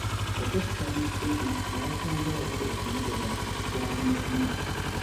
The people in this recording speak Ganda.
Okwessa mu ddene baasanga waliwo ekimotoka ekikwamyemu.